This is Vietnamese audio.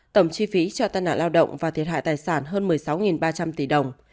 tổng chi phí cho tai nạn lao động và thiệt hại tài sản hơn một mươi sáu ba trăm linh tỷ đồng